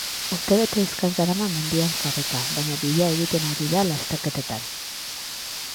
Urtebete eskas darama mendian korrika, baina bidea egiten ari da lasterketetan.